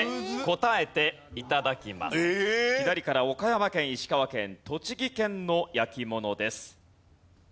左から岡山県石川県栃木県の焼き物です。